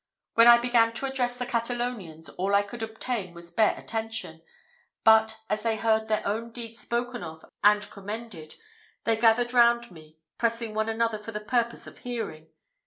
When I began to address the Catalonians, all I could obtain was bare attention; but, as they heard their own deeds spoken of and commended, they gathered round me, pressing one another for the purpose of hearing.